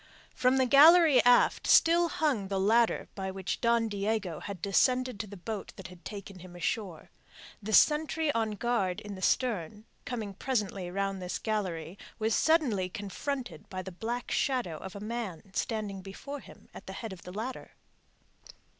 From the gallery aft still hung the ladder by which Don Diego had descended to the boat that had taken him ashore. The sentry on guard in the stern, coming presently round this gallery, was suddenly confronted by the black shadow of a man standing before him at the head of the ladder.